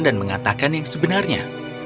dan mengatakan yang sebenarnya